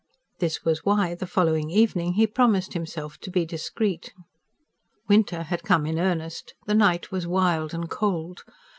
This was why, the following evening, he promised himself to be discreet. Winter had come in earnest; the night was wild and cold.